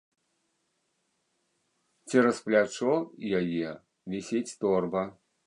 Цераз плячо яе вісіць торба.